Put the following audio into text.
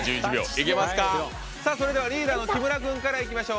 それでは、リーダーの木村君からいきましょう。